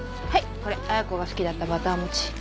これ彩子が好きだったバター餅。